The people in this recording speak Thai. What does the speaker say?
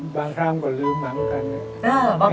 บางครั้งก็ลืมหนังเหมือนกัน